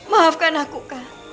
maafkan aku kak